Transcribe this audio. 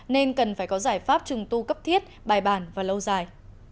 nên cần phải có giải pháp trùng tu cấp thiết bài bản và lâu dài